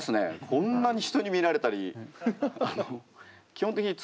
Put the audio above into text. こんなに人に見られたり。